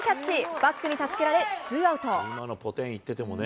バックに助けられ、ツーアウト。